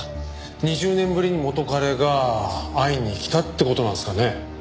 ２０年ぶりに元彼が会いに来たって事なんですかね？